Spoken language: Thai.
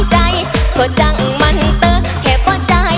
ใจก็จังมันเตอะแคบประจาย